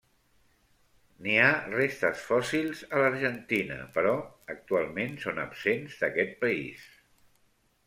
N'hi ha restes fòssils a l'Argentina però, actualment, són absents d'aquest país.